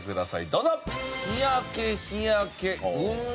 どうぞ！